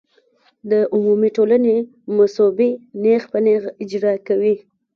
د عمومي ټولنې مصوبې نېغ په نېغه اجرا کوي.